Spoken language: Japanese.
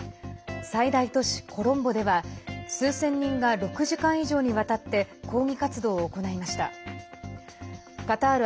最大都市コロンボでは数千人が６時間以上にわたって抗議活動を行いました。